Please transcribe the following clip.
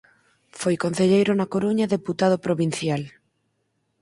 Foi concelleiro na Coruña e deputado provincial.